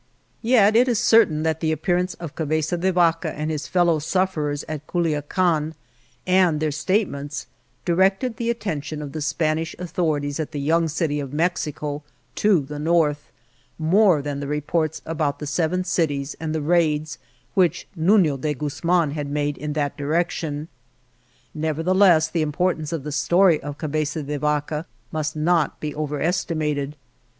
INTRODUCTION Yet it is certain that the appearance of Ca beza de Vaca and his fellow sufferers at Culiacan, and their statements, directed the attention of the Spanish authorities at the young city of Mexico to the North more than the reports about the Seven Cities and the raids which Nuno de Guzman had made in that direction. Nevertheless, the impor tance of the story of Cabeza de Vaca must not be overestimated.